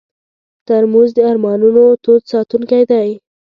ترموز د ارمانونو تود ساتونکی دی.